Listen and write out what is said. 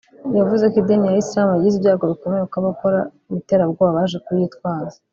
yavuze ko idini ya Islam yagize ibyago bikomeye kuko abakora iterabwoba baje bayitwaza